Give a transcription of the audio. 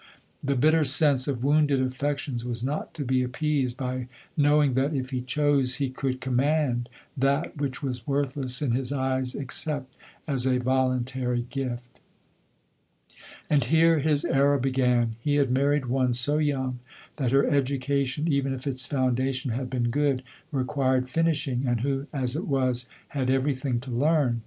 The bitter sense of wounded affections was not to be appeased by knowing that, if he chose, he could com mand that, which was worthless in his eyes, ex cept as a voluntary gift. And here his error began ; he had married one so young, that her education, even if its founda tion had been good, required finishing, and who as it was, had every thing to learn.